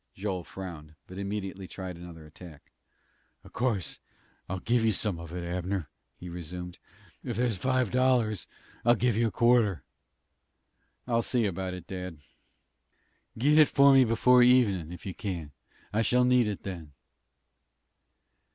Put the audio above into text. Joel frowned, but immediately tried another attack. "Of course I'll give you some of it, Abner," he resumed. "If there's five dollars I'll give you a quarter." "I'll see about it, dad." "Get it for me before evenin', if you can. I shall need it then."